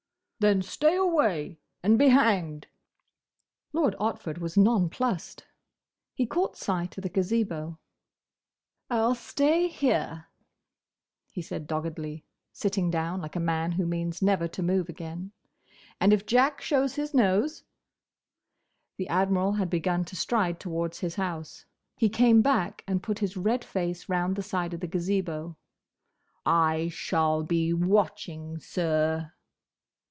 "Then stay away, and be hanged!" Lord Otford was nonplussed. He caught sight of the Gazebo. "I 'll stay here," he said doggedly, sitting down like a man who means never to move again, "and if Jack shows his nose—!" The Admiral had begun to stride towards his house. He came back and put his red face round the side of the Gazebo. "I shall be watching, sir!"